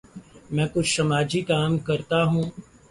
میں کچھ سماجی کام کرتا ہوں۔